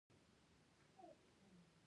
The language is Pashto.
ملا صاحب د حج سفر په ټولو واجب نه دی.